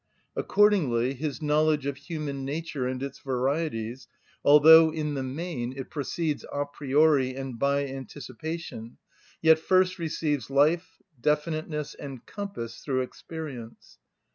Accordingly his knowledge of human nature and its varieties, although in the main it proceeds a priori and by anticipation, yet first receives life, definiteness, and compass through experience.